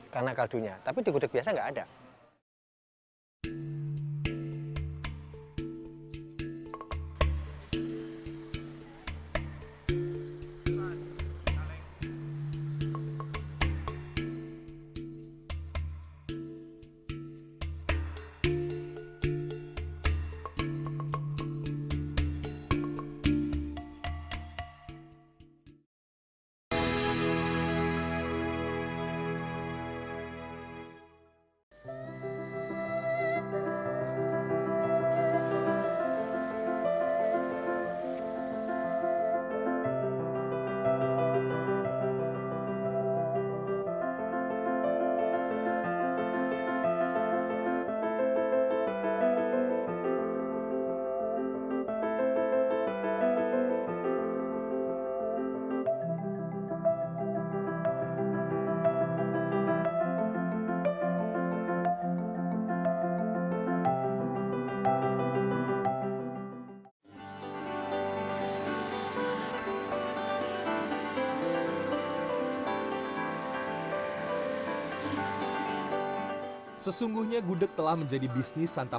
karena kaldu tapi di gudek biasa enggak ada